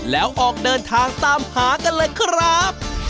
แล้วออกเดินทางตามหากันเลยครับ